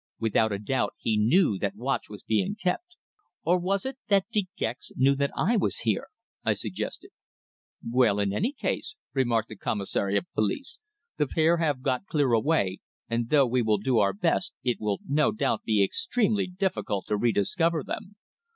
Without a doubt he knew that watch was being kept." "Or was it that De Gex knew that I was here?" I suggested. "Well, in any case," remarked the Commissary of Police, "the pair have got clear away, and though we will do our best, it will no doubt be extremely difficult to rediscover them.